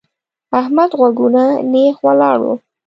احمد غوږونه نېغ ولاړ وو.